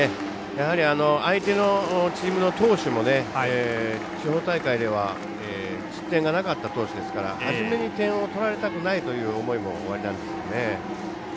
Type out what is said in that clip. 相手のチームの投手も地方大会では失点がなかった投手ですから初めに点を取られたくないという思いもおありなんでしょうね。